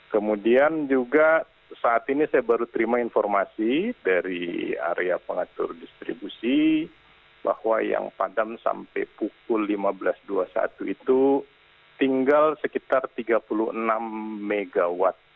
kemudian juga saat ini saya baru terima informasi dari area pengatur distribusi bahwa yang padam sampai pukul lima belas dua puluh satu itu tinggal sekitar tiga puluh enam mw